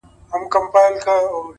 باور کمزوری وي نو حرکت ماتېږي,